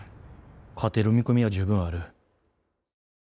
勝てる見込みは十分ある。